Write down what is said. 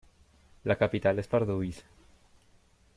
La capital es Pardubice.